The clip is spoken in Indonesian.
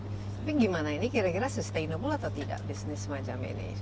tapi gimana ini kira kira sustainable atau tidak bisnis semacam ini